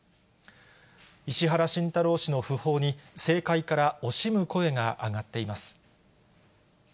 石原慎太郎氏の訃報に、政界から惜しむ声が上がっています。